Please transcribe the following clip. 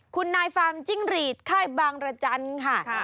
คุณนายฟาร์มจิ้งหรีดค่ายบางรจันทร์ค่ะ